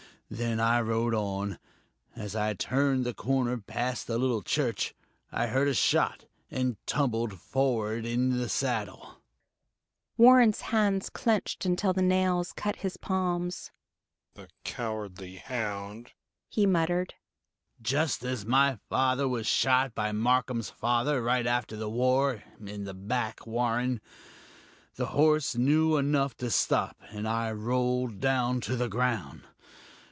Then I rode on. As I turned the corner, past the little church, I heard a shot and tumbled forward in the saddle." Warren's hands clenched until the nails cut his palms. "The cowardly hound!" he muttered. "Just as my father was shot by Marcum's father, right after the War in the back, Warren. The horse knew enough to stop, and I rolled down to the ground.